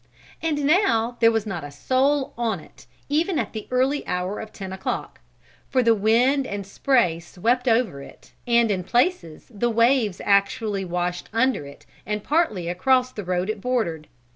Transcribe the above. And now there was not a soul on it, even at the early hour of ten o'clock. For the wind and spray swept over it, and, in places, the waves actually washed under it, and partly across the road it bordered.